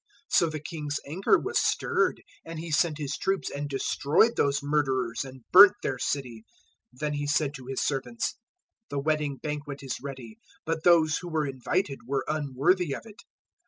022:007 So the king's anger was stirred, and he sent his troops and destroyed those murderers and burnt their city. 022:008 Then he said to his servants, "`The wedding banquet is ready, but those who were invited were unworthy of it.